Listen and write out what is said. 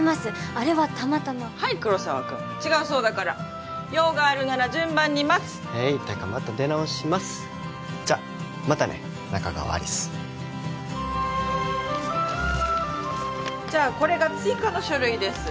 あれはたまたまはい黒澤君違うそうだから用があるなら順番に待つへいてかまた出直しますじゃまたね仲川有栖じゃあこれが追加の書類です